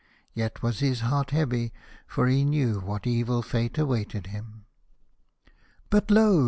Yet was his heart heavy, for he knew what evil fate awaited him. But lo